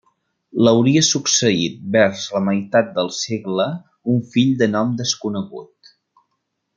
L'hauria succeït vers la meitat del segle un fill de nom desconegut.